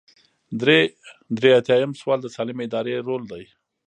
درې ایاتیام سوال د سالمې ادارې رول دی.